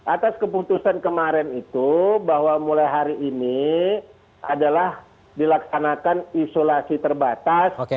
atas keputusan kemarin itu bahwa mulai hari ini adalah dilaksanakan isolasi terbatas